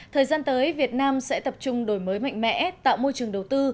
thời gian tới việt nam sẽ tập trung đổi mới mạnh mẽ tạo môi trường đầu tư